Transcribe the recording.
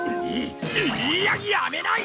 いややめない！